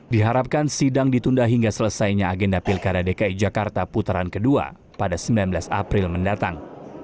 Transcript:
diharapkan sidang ditunda hingga selesainya agenda pilkada dki jakarta putaran kedua pada sembilan belas april mendatang